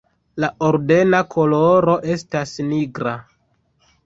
La ordena koloro estas nigra.